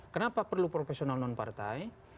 kenapa perlu profesional non partai